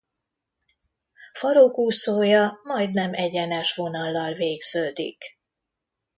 Farokúszója majdnem egyenes vonallal végződik.